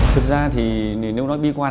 thực ra thì nếu nói bi quan